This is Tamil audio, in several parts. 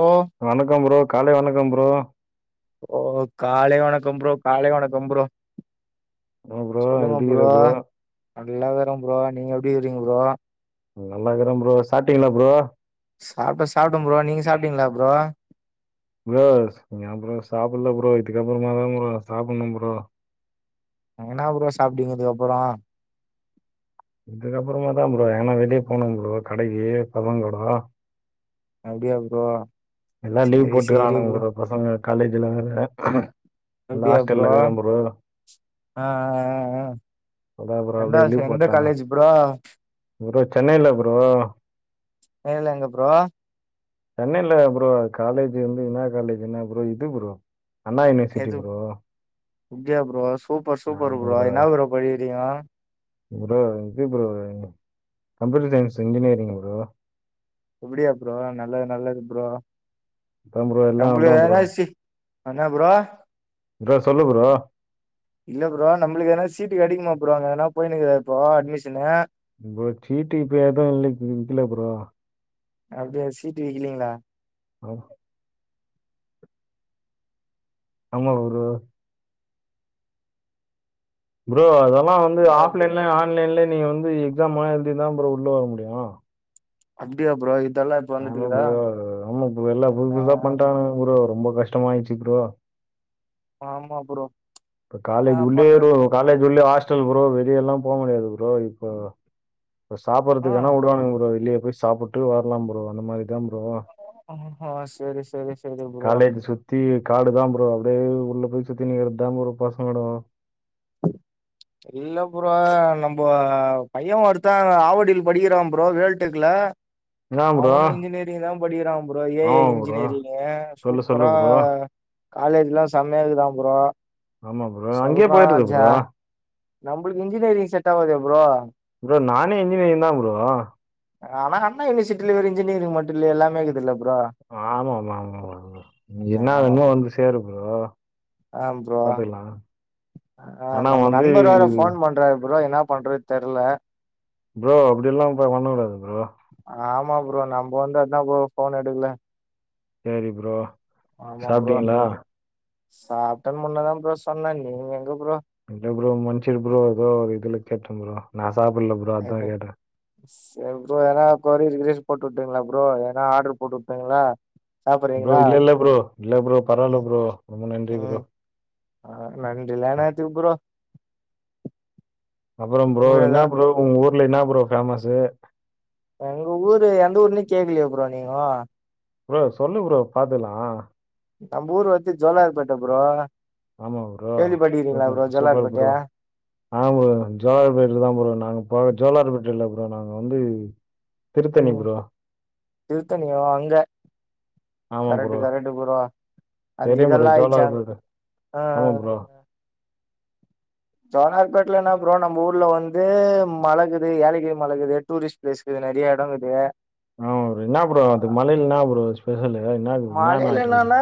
ஓ வணக்கம் ப்ரோ காலை வணக்கம் ப்ரோ ஓ காலை வணக்கம் ப்ரோ காலை வணக்கம் ப்ரோ என்ன ப்ரோ சொல்லுங்க எப்டிருக்கிற ப்ரோ நல்லாகிறே ப்ரோ நீங்க ப்டி கீறிங் ப்ரோ ம் நல்லாகிறே ப்ரோ சாப்டிங்கிளா ப்ரோ சாப்ட சாப்ட ப்ரோ நீங்க சாப்ட்டீங்ளா ப்ரோ ப்ரோ ச ஏ ப்ரோ சாப்புல்ல ப்ரோ இதுக்கப்புறமாதா ப்ரோ‌ சாப்புண்ணோ ப்ரோ அ என்னா ப்ரோ சாப்ட்வீங்க இதுக்கப்பறோ இதுக்கப்பறமா தா ப்ரோ எங்கனா வெளிய போனோ ப்ரோ கடைக்கி பசங்கூடோ அப்டியா ப்ரோ எல்லா லீவ் சேரி சேரி போட்டுக்கிறான்னுங் ப்ரோ பசங்க காலேஜுல வேற ம் இந்த ஹாஸ்டல்ல கிற ப்ரோ ஆ ஆ ஆ அதா அப்பறோ எந்த அப்டியே லீவ் எந்த போட்டானுங்கோ காலேஜ் ப்ரோ ப்ரோ சென்னைல ப்ரோ வேல எங்க ப்ரோ சென்னைல ப்ரோ காலேஜ் வந்து இன்னா காலேஜ்னா ப்ரோ இது ப்ரோ அண்ணா யுனிவர்சிட்டி எது ப்ரோ. அப்டியா ப்ரோ சூப்பர் சூப்பர் ப்ரோ என்ன ப்ரோ படிக்கிரிங்கோ ப்ரோ இது bro computer science engineering bro அப்டியா ப்ரோ நல்லது நல்லது ப்ரோ அதா ப்ரோ எல்லா அதா ப்ரோ அனா ப்ரோ ப்ரோ சொல்லு ப்ரோ இல்ல ப்ரோ நம்மளுக்கு எதுனா சீட்டு கிடைக்குமா ப்ரோ அங்க ஏனா போய்னுக்ற இப்போ அட்மிஷனு ப்ரோ சீட்டு இப்ப எதுவு இல்லை இல்ல ப்ரோ அப்டியா சீட்டு இல்லிங்ளா ம் ஆமா ப்ரோ ப்ரோ அதா ப்ரோ வந்து இன்னா ப்ரோ ஆஃப்லைன்ல ஆன்லைன்ல நீங்க வந்து எக்ஸாம்லா எழுதி தா ப்ரோ உள்ள வர முடியு அப்டியா ப்ரோ இதெல்லா இப்ப ஆமா வந்துட்டுக்குதா ப்ரோ ரொம்ப எல்லா புது புதுசா பண்றாங்க ப்ரோ ரொம்ப கஷ் டமாயிடுச்சு ப்ரோ ஆமா ப்ரோ ப்ப என்னா காலேஜ் உள்ளே ரோ பண்றது காலேஜ் உள்ளயே ஹாஸ்ட ல் ப்ரோ வெளிய எல்லா போக முடியாது ப்ரோ இப்ப இப்ப ஆ சாப்படறதுக்கு வேனா உடறாங்க ப்ரோ வெளிய போய் சாப்பிட்டு வரலாம் ப்ரோ அந்த மாதிரி தான் ப்ரோ ஆ செரி செரி செரி ப்ரோ காலேஜ் சுற்றி காடு தா ப்ரோ அப்டியே உள்ள போய் சுத்தினுக்றது தா ப்ரோ பசங்கோட இல்ல ப்ரோ நம்ப பைய ஒருத்த ஆவடியில் படிக்கிறா ப்ரோ வேல் டெக்ல என்ன ப்ரோ அவனு இன்ஜினியரிங் தா படிக்றாம் ப்ரோ ஏ ஐ ஆமா ப்ரோ. இன்ஜினியரிங்கு சொல்லு சொல்லு சூப்பரா ப்ரோ. காலேஜ்லா செமையா இருக்குதா ப்ரோ ஆமா ப்ரோ. அங்கேயே சொல்றா போயிருது ஜா ப்ரோ. நம்புளுக்கு இன்ஜினியரிங் செட் ஆவாதே ப்ரோ இன்ஜினியரிங்தா ப்ரோ ஆனா அண்ணா யுனிவர்சிட்டில வெறு இன்ஜினியரிங் மட்டு இல்ல எல்லாமே இருக்குதுல்ல ப்ரோ ஆமா ஆமா ஆமா ஆமா ப்ரோ நீ என்னா ஆமா வேணுமோ ப்ரோ வந்து சேரு ப்ரோ ஆ ப்ரோ பாத்துக்கலாம். ஆ ஆனா நம்ம வந்து நண்பர் வேற ஃபோன் பண்றாரு ப்ரோ என்னா பண்றத் தெர்ல ப்ரோ அப்டி எல்லாம் போய் பண்ணக் கூடாது ப்ரோ ஆமா ப்ரோ நம்ப வந்து அத்தா ப்ரோ ஃபோன் எடுக்குல சேரி ப்ரோ சாப்ட்டீங்ளா சாப்ட்டன் முன்னதா ப்ரோ சொன்னே நீங்க எங்க ப்ரோ இல்ல ப்ரோ மன்ச்சிரு ப்ரோ எதோ ஒரு இதுல கேட்டே ப்ரோ நாஸ் சாப்பல்ல ப்ரோ அத்தா கேட்ட சேரி ப்ரோ எதுனா கொரிர் கிரிர் போட்டுவுட்டுங்ளா ப்ரோ எதனா ஆட்ரு போட்டுவுட்டுங்ளா ப்ரோ இல்லல்ல ப்ரோ இல்ல ப்ரோ பரவால்ல ம் ப்ரோ ரொம்ப நன்றி ப்ரோ ம் ஆ நன்றிலா அ என்னாத்துக்கு ப்ரோ அப்புறம் ப்ரோ என்ன உண்மையாதா ப்ரோ உங் ஊ ர்ல என்னா ப்ரோ ஃபேமஸு எங்க ஊரு எந்த ஊர்னே கேக்லியே ப்ரோ நீங்கோ ப்ரோ சொல்லு ப்ரோ பாத்துக்லா நம்ப ஊரு வந்து ஜோலார்பேட்ட ப்ரோ ஆமா ப்ரோ கேள்விப்பட்டிருக்கீங்களா bro superb super Jolarpettai bro ஆ ப்ரோ ஜோலார்பேட்டில்தா ப்ரோ நாங்க இப்போ ஜோலார்பே ட்டில்ல ப்ரோ நாங்க வந்து திருத்தணி ம் ப்ரோ. திருத்தணி‌ ஓ அங்க ஆமா கரெட்டு ப்ரோ. கரெட்டு ப்ரோ அந்த தெரியும் ப்ரோ. இதெல்லா ஆயிச்சாங் ஜோலார்பேட். அ ஆமா அ ப்ரோ. அ அ ஜோலார்பேட்ல என்னா ப்ரோ நம்ப ஊர்ல வந்து மலக்குது ஏலகிரி மலக்குது டூரிஸ்ட் ப்ளேஸுகு இது நெறிய எடோங்குது ஆமா ப்ரோ என்னா ப்ரோ அது மலையில்னா ஒரு ஸ் பெசலு மலையில என்னான்னா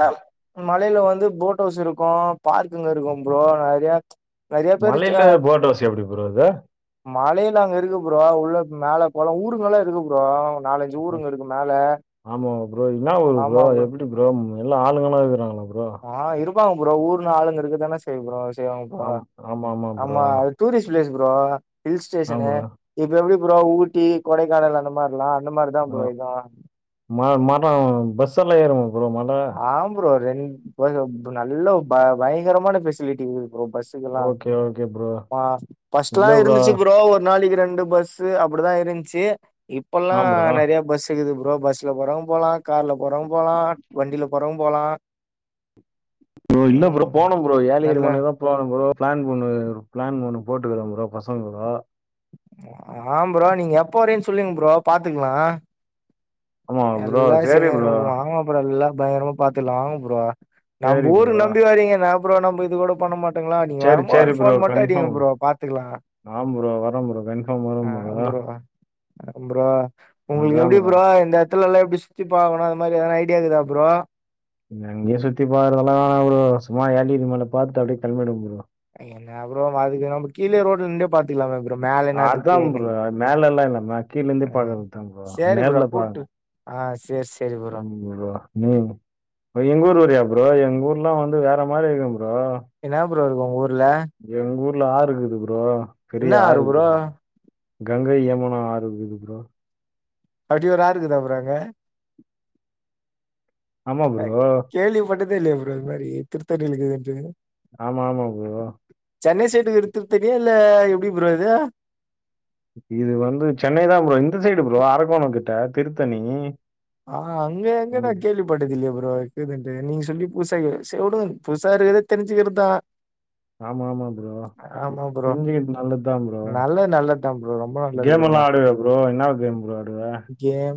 மலையில வந்து போட் ஹவுஸ் இருக்கு பார்க்குங்க இருக்கும் ப்ரோ நறிய நெறையா பேரு ச்ச மலையில போட் ஹவுஸ் எப்படி ப்ரோ அது? மலையில அங்க இருக்கு ப்ரோ உள்ள மேல கொளோ ஊருங்கல்லா இருக்கு ப்ரோ நாலஞ்சு அ ஊருங்க இருக்கு மேல ஆமாவா புரோ இன்னா ஊரு புரோ ஆமா ப்ரோ எப்பிடி புரோம் ம் எல்லா ஆளுங்கள்லா இருக்கறாங்களா ஆ இரு ப்பாங்க ப்ரோ ஊர்னா ஆளுங்க இருக்க தான செய்யு ப்ரோ ஸ் செய்வாங்ப்பா ஆம் ஆமாமா ப்ரோ. ஆமா அது டூரிஸ்ட் பிளேஸ் தோ ஹில் ஆமா ஸ்டேஷனு ப்ரோ. இது எப்டிப் அப்புறோ ஊட்டி கொடைக்கானல் அந்த மார்லா ஓ மா-மரோ பஸ்ட் த்துல்லா ஏறு போதும்மடா ரெண் இப்ப அந்த நல்ல ப பயங்கரமான பெசிலிட்டி அப்பறோ பஸ்ஸுகெல்லா ஓகே, ஓகே ப்ரோ. பாஸ் பஸ்ட்டுலா இருந்துச்சு ப்ரோ ஒரு நாளைக்கி ரெண்டு பஸ்ஸு அப்புடிதா இருந்ச்சு இப்பல்லா ஆமா ப்ரோ. நறைய பஸ்ஸுருக்குது ப்ரோ ப்ரோ பஸ்ல போறவங்க போலா கார்ல போறவங்க போலா போறவங் போலா புரோ இல்ல புரோ ம் போனோ ப்ரோ ஏலகிரி நல்ல மலைக்கா போனுனோ ப்ரோ பிளான் பண்ணு பிளான் பண்ண போட்டுருக்கோ ப்ரோ பசங்களு ஆ ப்ரோ நீங்க எப்ப வரிங்கன்னு சொல்லுங்க ப்ரோ பாத்துக்கலா ஆமா ப்ரோ எல்லா சேரி செஞ்சானுங்க ப்ரோ ஆமா ப்ரோ எல்லாம் பயங்கரமா பாத்துக்கலா வாங்க ப்ரோ சேரி ப்ரோ நம்புருலருந்தே வரீங்க நா ப்ரோ நம்ப இதுகுட பண்ண மாட் சேரி சேரி ப்ரோ கன்ப்பாம் பாத்துக்கலா ஆம் ப்ரோ வர ப்ரோ கன்பாம் வர ப்ரோ அ ப்ரோ உங்களுக்கு எப்பிடி ப்ரோ த்துல்லலா எப்பிடி சுத்தி பாக்கணு அது மாதிரி எதனா ஐடியா இருக்குதா ப்ரோ எங்கேயு சுத்தி பாக்றதலா ஒரு சும்மா ஏலகிரி மலை பாத்துட்டு அப்டியே கெலம்பிடுவே ப்ரோ என்ன ப்ரோ அதுக்கு நம்ப கீழே ரோட்ல நின்டே பாத்துக்கலாமே பு அதா ப்ரோ மேலேல்லா இல்ல கீழேருந்தே‌ ஆ பாக்கருதுதா ப்ரோ சேரி ப்ரோ நேர்ல கூட்டு பாக் ஆ சேரி சேரி ஆம் ப்ரோ நீங்க இப்ப எங்கு ஊர் வரியா ப்ரோ இப்போ எங்க ஊர்லா வந்து வேற மாரி இருக்கு ப்போ சூப்பராருக்கு உங்க ஊர் எங்கூர் ல்ல ஆறு இருக்குது ப்ரோ என்ன ஆறு ப்ரோ கங்கை யமுனா ஆறு இருக்குது ப்ரோ அப்டி ஒரு ஆறு இருக்குதா ப்ரோ அங்க ஆமா ப்ரோ தே இல்லயே ப்ரோ இது மாரி திருத்தணில இருக்குதுன்ட் ஆமா ஆமா ப்ரோ டி எடுத்து தெரியல எப்டி ப்ரோ இது இது வந்து சென்னைதா ப்ரோ இந்த சைடு ப்ரோ அரக்கோணங் கிட்ட திருத்தணி ஆ அங்க எங்க நா ம். கேள்வி பட்டதில்லயே ப் ரோ இக்குதுண்டு நீங்க சொல்லி புத்சா கே செ உடுங்க புத்சா இருக்றத தெரிஞ்சிக்கற்தா ஆமாமா ப்ரோ ப்ரோ. தெஞ்சிக்கற்து நல்லத்தா ப்ரோ‌ நல்லது நல்லதுதான் ப்ரோ. ரொம்ப நல்லது ப்ரோ. கேம்மெல்லா ஆடுவியா ப்ரோ என்னா கேம் ப்ரோ ஆடுவ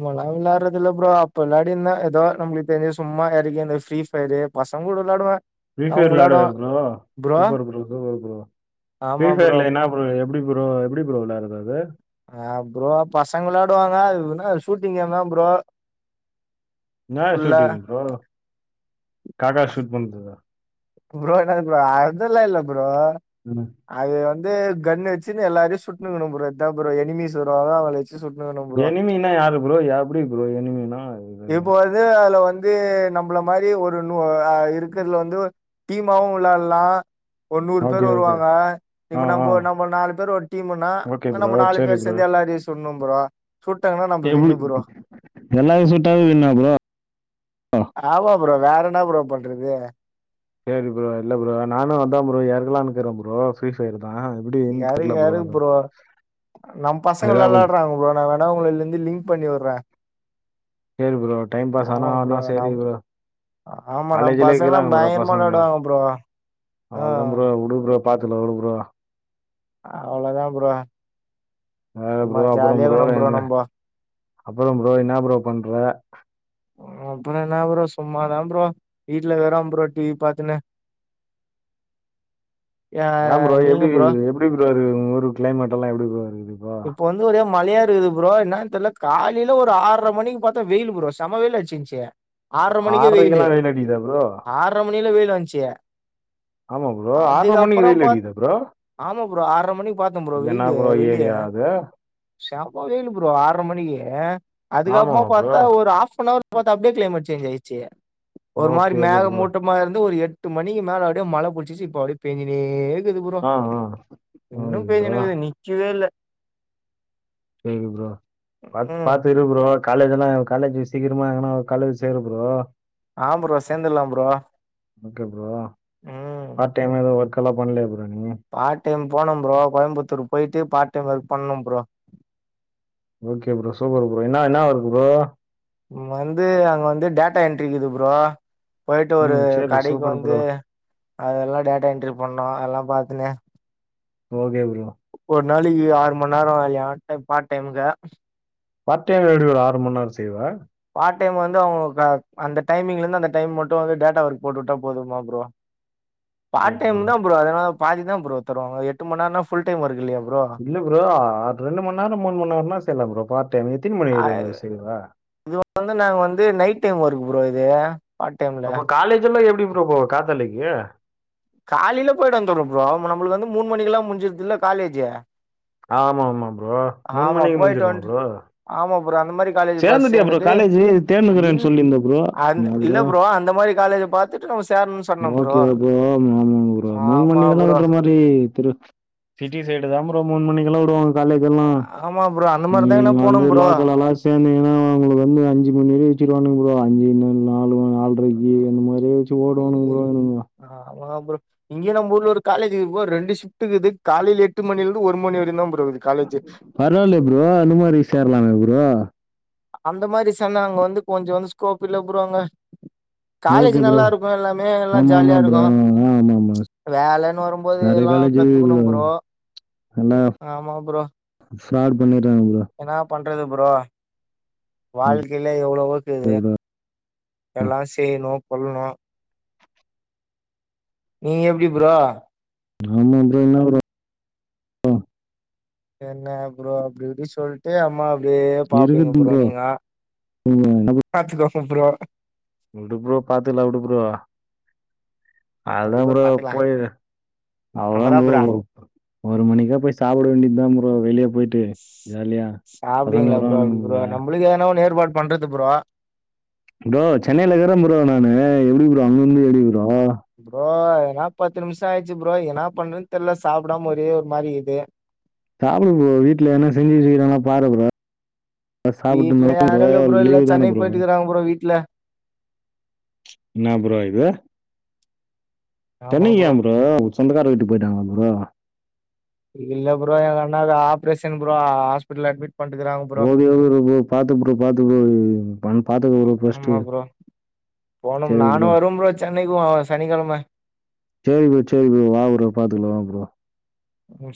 முலா விளாட்ற துல்ல ப்ரோ அப்ப விளாடிர்ந்த ஏதோ நம்மளுக் தெரிஞ்ச சும்மா [unintelligible] இந்த ஃப்ரீஃபயரு பசங் கூட வ்ளாடுவ ஃப்ரீ ஃபயர் வ்ளாடுவியா bro super bro super bro Free ஃபயர்ல என்னா ப்ரோ எப்டி ப்ரோ எப்டி ப்ரோ விளாட்ற து ஆ ப்ரோ பசங்களாடுவாங்க அது என்னா ஷூட்டிங் கேம்தா ப்ரோ என்னா ஃபுல்லா. ஷூட்டிங் ப்ரோ காகா ஷூட் பண்றதா ப்ரோ‌ என்னத் ப்ரோ அதுல்லா இல்ல ப்ரோ ம். அது வந் து கன்ன வெச்சி எல்லாரையு சுட்ணு இருக்கணும் ப்ரோ இத்தா ப்ரோ எனிமீஸ் வருவாங்க அவுங்கள எனிமீனா யாரு ப்ரோ யாப்டி ப்ரோ எனிமீனா இது இப்போ வந்து அதுல வந்து நம்ப்ள மாரி ஒரு நு அ இருக்கற்துல வந்து டீமாவு விளால்லா ஒர் நூறு ஓகே, பேர் ஓகே. வருவாங்க ஆ, இப்ப ஆ. நம்போ நம்ம நாலு பேர் ஒரு டீமுன்னா ஓகே ப்ரோ. நம்ம நாலு பேர் சேந்து எல்லாரையு சுட்ணும் ப்ரோ சுட்டாங்கன்னா நம்ம எபி வின்னு ப்ரோ எல்லாரையு சுட்டாவே வின்னா ப்ரோ ஒ ஆமா ப்ரோ வேற என்ன ப்ரோ பண்றது சேரி ப்ரோ இல்ல ப்ரோ நானு அத்தா ப்ரோ எறங்லானுக்குற ப்ரோ ஃப்ரீ ஃபயரு யாரு யாரு ப்ரோ நம் பசங்கல்லா ஏதாவது ஒண்ணு. வ்ளாட்றாங்க ப்ரோ நா வேனா உங்கள லிந்தி லிங்க் பண்ணி உட்ற சேரி ப்ரோ டைம் பாஸ் ஆனா ஆனா ப்ரோ சேரி நம் ப்ரோ ஆமா நம் காலேஜுல பசங்கல்லா இக்குறாங்க ப்ரோ பயங்கரமா பசங்க விளாடுவாங்க ப்ரோ அவள்தா ஆ ப்ரோ உடு ப்ரோ பாத்துக்லா உடு ப்ரோ அவ்ளதா ப்ரோ வேற சும்மா ப்ரோ அப்பறம் ஜாலியா ப்ரோ இருக்கணு எங்க நம்போ அப்பறம் ப்ரோ என்னா ப்ரோ பண்ற அப்பறொ என்னா ப்ரோ சும்மாதா ப்ரோ வீட்ல இருக்ற ப்ரோ டிவி பாத்துன்னு ஆ ஏம் ப்ரோ நீங்க எப்டி ப்ரோ எப்டி ப்ரோ இருக்து உங் ஊரு க்ளைமெட்டெல்லா எப்டி ப்ரோ இரு இப்ப வந்து ஒரே மழையா க்குது ப்ரோ என்னான் தெர்ல காலைல ஒரு ஆற்ர மணிக்கு பாத்தா வெயிலு ப்ரோ செம்ம வெயில் அட்சிஞ்ச்சி ஆறரை மணிக்கே வெயிலு ஆறரைக்கெல்லாம் வெயில் அடிக்குதா ப்ரோ ஆறரை மணிக்குல்லா வெயிலு வன்சே ஆமா ப்ரோ ஆற்ரை மணிக்கு வெயிலு பாத் அடிக்கிதா ப்ரோ ஆமா ப்ரோ ஆறரை மணிக்கு பாத்தே ப்ரோ என்னா ப்ரோ ஏரியா அது செம்ம வெயிலு ப்ரோ ஆற்ரை மணிக்கு அதுக்கப்புறமா ஆமாமா ப்ரோ பாத்தா ஒரு ஆஃப் அன் ஹவர்ல பாத்த அப்டியே கிளைமேட் சேஞ் சேன்ஜ் ஆயிடுச்சி ஒரு மாரி ஓகே ஓகே ப்ரோ மேகமூட்டமா இருந்து ஒரு எட்டு எட்டு மணிக்கு மேல அப்டியே மழ புடிசிட்சி இப்ப அப்டியே பேஞ்சினேக் க்குது ப்ரோ ஆ ஆ இன்னு ஐயோ பேஞ்சினுக்குது நிக்கவே இல்ல சேரி ப்ரோ பாத்து ம் பாத்து இரு ப்ரோ காலேஜ்லா காலேஜ் சீக்கிரமா எங்கனா ஒரு காலேஜ் சேறு ப்ரோ ஆ ப்ரோ சேந்துல்லாம் ப்ரோ ஓகே உம் ஒர்க்லா பண்லியா பார்ட் டைம் போனும் ப்ரோ கோயம்புத்தூர் போயிட்டு பார்ட் டைம் ஒர்க் பண்ணனும் bro okay bro super bro என்ன என்ன ஒர்க் ப்ரோ வந்து அங்க வந்து டேட்டா என்ட்ரி இருக்குது ப்ரோ போயிட்டு ஒரு ம் சரி கடைக்கு சூப்பர் வந்து ப்ரோ அதெல்லா டேட்டா என்ட்ரி பண்ணோ அதெல்லா பாத்னு ஓகே ப்ரோ ஒரு நாளைக்கு ஆறு மணி நேரோ வேலையா பார்ட் டைமுக்கு பார்ட் டைம் எப்டி ப்ரோ ஆறு மணி நேரோ செய்வே பார்ட் டைம் வந்து அவுங்க க அந்த டைமிங்ல இருந்து அந்த டைம் மட்டு வந்து டேட்டா ஒர்க் போட்டுவுட்டா போதுமா ப்ரோ பார்ட் டைம் தா ப்ரோ அதுனால பாதி தா ப்ரோ தருவாங்க எட்டு மணி நேரம்னா ஆ ஃபுல் டைம் ஒர்க் இல்லையா ப் இல்ல ப்ரோ அது ரெண்டு மணி நேரோ மூணு மணி நேரம்னா செய்யலாம் ப்ரோ பார்ட் டைம் எத்தினி மணி நேரோ ப்ரோ செய்வே இது வந்து நாங்க வந்து நைட் டைம் ஒக்கு ப்ரோ இது பார்ட் டைம்ல அப்போ காலேஜ் எல்லா எப்டி எப்டி ப்ரோ காத்தாலிக்கு காலில போயிட்டு வந்துருவே ப்ரோ நம்மளுக்கு வந்து மூணு மணிக்கெல்லா முஞ்சிட்து இல்ல காலேஜே ஆமா ஆமா ப்ரோ ப்ரோ மூணு மணிக்கு போயிட்டு முஞ்சிருமா வந்துட்டு ப்ரோ ஆமா ப்ரோ அந்த மாரி காலேஜ் பாத்து சேந்துட்டியா ப்ரோ சேந்துட்டு காலேஜ் தேடினுக்குறே இல் சொல்லிருந்த ப்ரோ அந்த இல்ல ப்ரோ அந்த மாரி காலேஜ பாத்துட்டு நம்ம சேரணும்னு சொன்னே ப்ரோ ஆமா ப்ரோ சிட்டி சைடு தா ப்ரோ ப்ரோ மூணு மணிக்கெல்லா உடுவாங்க காலேஜ் எல்லா ஆமா ப்ரோ அந்த நீ மாரிதாங்கண்ணா இங்க வந்து போனோம் ப்ரோ லோக்கலா எல்லா சேந்தீங்கன்னா உங்கள வந்து அஞ்சு மணி வரையு வெச்சுருவானுங்க ப்ரோ அஞ்சு இன்னு நாலு நால்ரைக் இ என்ன மாரி ஓடணுங் [unintelligible] வா ப்ரோ இங்கே நம்ப ஊர்ல ஒரு காலேஜ்ருக்கு ரெண்டு சிஃப்ட் இருக்குது காலைல எட்டு மணில இருந்து ஒரு மணி வரையுதா ப பரவலய ப்ரோ அந்த மாரி சேர்லாமே ப் ஒ அந்த மாரி சொன்னா அங்க வந்து கொஞ்சோ வந்து ஸ்கோப் இல்ல ப்ரோ அங்க காலேஜ் ஓகே நல்லா ப்ரோ இருக்கூ எல்லாமே எல்லா ஆமா ஜாலியா ஆமா நல்ல இருக்கூ ப்ரோ ஆ ஆமா ஆமா வேலன்னு வரும்போது நெறைய எல்லா காலேஜ் கத்துக்கணு ப்ரோ ஆமா ப்ரோ ஸ்டாட் பண்ணிறேங்க ப்ரோ என்னா பண்றது ப்ரோ வாழ்க்கைல எவ்வளவோக்குது எல்லா செய்ணு கொல்னு நீ எப்டி ப்ரோ ஆமா ப்ரோ என்னா ப்ரோ என்ன ப்ரோ அப்டி இப்டி சொல்ட்டு அம்மா அப்டியே பாப்பீங்க ப்ரோ நீங்க ம். கத்துக்கோ அப்பறோ விடு அப்டி அதுதா ப்ரோ பாத்துக்கலா போய் அதா நம்மதா ப்ரோ ஒரு மணிக்க போய் சாப்ட வேண்டிது தா ப்ரோ வெளியே போயிட்டு ப்ரோ ஜாலியா பசங்க சாப்டுவீங்களா ப்ரோ அப்டி ப்ரோ வரானுங்க அ நம்மளுக்கு எதனா ஒன்னு ஏற்பாடு பண்றது ப்ரோ ப்ரோ சென்னைல இருக்குறே ப்ரோ நானு எப்டி ப்ரோ அங்க வந்து எப்டி [unintelligible] ப்ரோ ஏன்னா பத்து நிமிஷோ ஆயிச்சு ப்ரோ என்னா பண்றன்னு தெரில சாப்டாம ஒரே ஒரு மாரி இருக்கு சாப்டு ப்ரோ வீட்ல என்னா செஞ்சு வச்சிருகங்க பாரு ப்ரோ சாப்பிட்டு வீட்ல நடக்கு யாரு இல்ல ப்ரோ லீவு எல்லாம் தானே சென்னைக்கு ப்ரோ. போயிட்டுக்குறாங்க ப்ரோ வீட்ல என்னா ப்ரோ இது சென்னை ஏன் ப்ரோ சொந்தக்கார வீட்டுக்கு போயிட்டாங்ளா ப்ரோ இல்ல ப்ரோ எங்க அண்ணாக்கு ஆபரேஷன் ப்ரோ ஹாஸ்பிடல அட்மிட் பண்ட்டுக்கறாங்க ப்ரோ ஓகே ஓகே [unintelligible] பாத்து ப்ரோ பாத்து ப்ரோ பன் பாத்துக்க ப்ரோ ஃபர்ஸ்ட்டு ஆமா ப்ரோ போனும் செரி ப்ரோ நானு வருவ சென்னைக்கு சனிக்கெழம செரி ப்ரோ செரி ப்ரோ வா ப்ரோ பாத்துக்கல வா ப்ரோ ம் செ